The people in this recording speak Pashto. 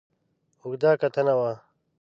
اوږده کتنه وه.